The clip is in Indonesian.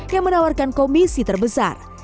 yang menawarkan komisi terbesar